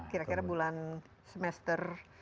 kira kira bulan semester